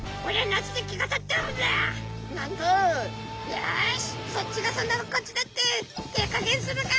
「よしそっちがそんならこっちだって手加減するか」。